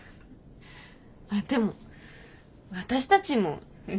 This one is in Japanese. あっでも私たちもね。